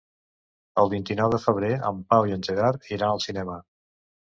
El vint-i-nou de febrer en Pau i en Gerard iran al cinema.